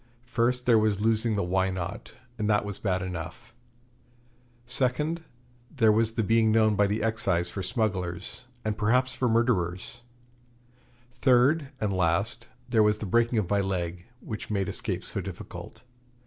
First there was losing the Why Not? and that was bad enough; second, there was the being known by the Excise for smugglers, and perhaps for murderers; third and last, there was the breaking of my leg, which made escape so difficult.